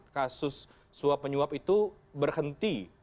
kasus suap menyuap itu berhenti